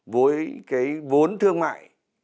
với cái vốn thương mại